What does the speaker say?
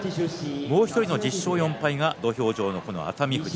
もう１人の１０勝４敗が土俵上の熱海富士。